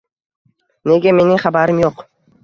Nega mening xabarim yo`q